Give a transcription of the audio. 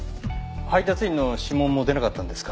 配達員の指紋も出なかったんですか？